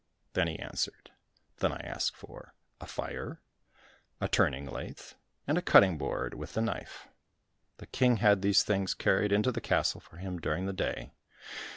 Then he answered, "Then I ask for a fire, a turning lathe, and a cutting board with the knife." The King had these things carried into the castle for him during the day.